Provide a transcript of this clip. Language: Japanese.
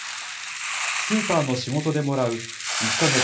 スーパーの仕事でもらう１か月